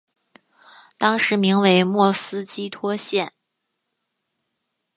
当时名为莫斯基托县。